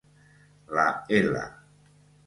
La L